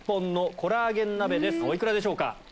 お幾らでしょうか？